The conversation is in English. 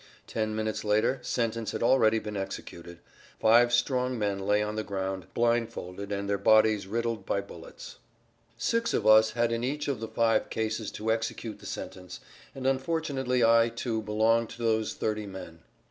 Ten minutes later sentence had already been executed; five strong men lay on the ground, blindfolded and their bodies riddled by bullets. Six of us had in each of the five cases to execute the sentence, and unfortunately I, too, belonged to those thirty men.